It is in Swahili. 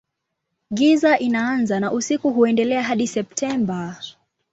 Giza inaanza na usiku huendelea hadi Septemba.